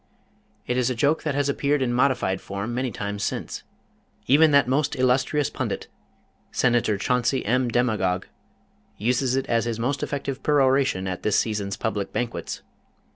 It is a joke that has appeared in modified form many times since. Even that illustrious pundit, Senator Chauncey M. DeMagog uses it as his most effective peroration at this season's public banquets.